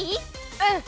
うん！